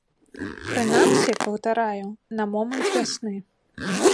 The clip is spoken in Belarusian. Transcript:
Прынамсі, паўтараю, на момант вясны.